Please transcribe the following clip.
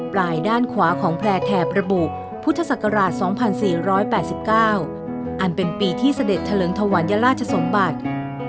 ปลายด้านขวาของแพร่แถบระบุพุทธศักราช๒๔๘๙อันเป็นปีที่เสด็จเถลิงถวัญราชสมบัติ